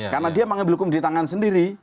karena dia mengambil hukum di tangan sendiri